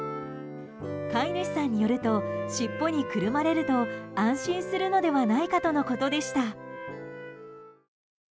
飼い主さんによるとしっぽにくるまれると安心するのではないかとのことでした。